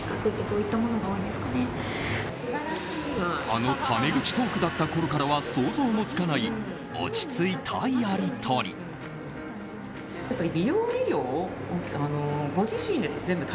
あのタメ口トークだったころからは想像もつかない落ち着いたやり取り。